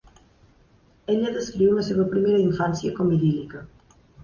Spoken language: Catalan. Ella descriu la seva primera infància com idíl·lica.